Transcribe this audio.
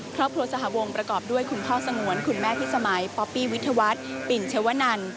สหวงประกอบด้วยคุณพ่อสงวนคุณแม่พิสมัยป๊อปปี้วิทยาวัฒน์ปิ่นชวนัน